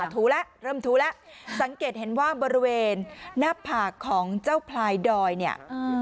ถูแล้วเริ่มถูแล้วสังเกตเห็นว่าบริเวณหน้าผากของเจ้าพลายดอยเนี่ย